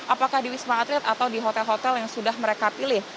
apakah di wisma atlet atau di hotel hotel yang sudah mereka pilih